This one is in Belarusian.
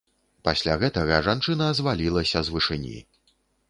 Пасля гэтага жанчына звалілася з вышыні.